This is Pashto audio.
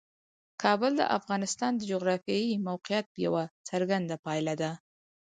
کابل د افغانستان د جغرافیایي موقیعت یوه څرګنده پایله ده.